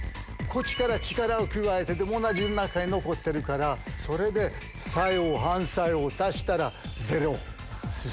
こっちから力を加えてでも同じ中へ残ってるからそれで作用反作用足したらゼロ。